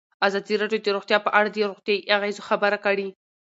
ازادي راډیو د روغتیا په اړه د روغتیایي اغېزو خبره کړې.